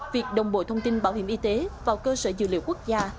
việc đồng bộ thông tin bảo hiểm y tế vào cơ sở dữ liệu quốc gia